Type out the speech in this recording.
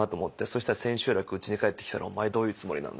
そしたら千秋楽うちに帰ってきたら「お前どういうつもりなんだ」と。